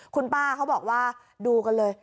คุณป้าเขาบอกว่าดูกันเลย